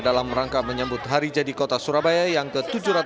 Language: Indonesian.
dalam rangka menyambut hari jadi kota surabaya yang ke tujuh ratus dua puluh